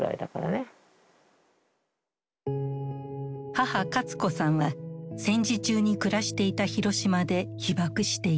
母・加津子さんは戦時中に暮らしていた広島で被ばくしている。